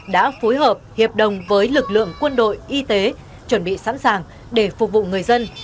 đã phối hợp hiệp đồng với lực lượng quân đội y tế chuẩn bị sẵn sàng để phục vụ người dân